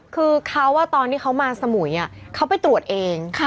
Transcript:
คือเขาตอนที่เขามาสมุยเขาไปตรวจเอง